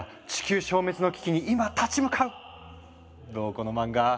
この漫画。